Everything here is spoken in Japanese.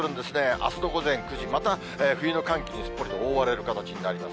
あすの午前９時、また冬の寒気にすっぽりと覆われる形になります。